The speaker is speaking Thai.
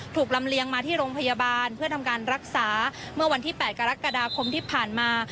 ลำเลียงมาที่โรงพยาบาลเพื่อทำการรักษาเมื่อวันที่๘กรกฎาคมที่ผ่านมา